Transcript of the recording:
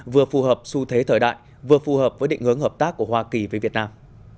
vừa phù hợp xu thế thời đại vừa phù hợp với định hướng hợp tác của hoa kỳ với việt nam